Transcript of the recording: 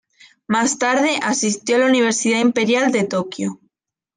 Más tarde asistió a la Universidad Imperial de Tokio.